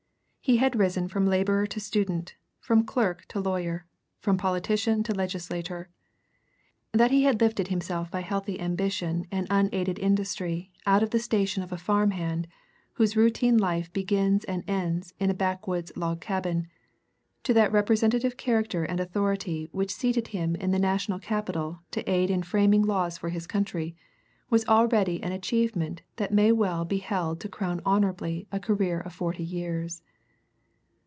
He had risen from laborer to student, from clerk to lawyer, from politician to legislator. That he had lifted himself by healthy ambition and unaided industry out of the station of a farm hand, whose routine life begins and ends in a backwoods log cabin, to that representative character and authority which seated him in the national Capitol to aid in framing laws for his country, was already an achievement that may well be held to crown honorably a career of forty years.